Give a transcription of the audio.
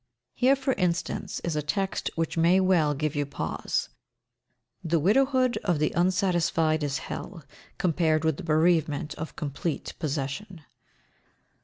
Here, for instance, is a text which may well give you pause, "The widowhood of the unsatisfied is hell, compared with the bereavement of complete possession."